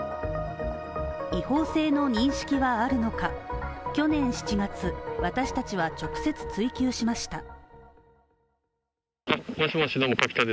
違法性の認識はあるのか、去年７月、私たちは直接追及しました。